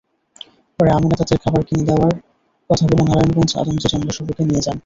পরে আমেনা তাদের খাবার কিনে দেওয়ার কথা বলে নারায়ণগঞ্জ-আদমজী-ডেমরা সড়কে নিয়ে যান।